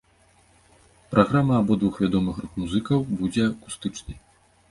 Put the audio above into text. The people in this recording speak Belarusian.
Праграма абодвух вядомых рок-музыкаў будзе акустычнай.